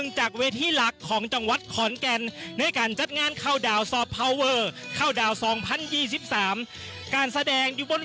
เชิญครับ